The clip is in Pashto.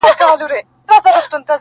o ډېري خبري د کتاب ښې دي.